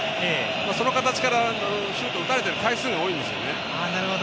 その形からシュートを打たれてる回数が多いんですよね。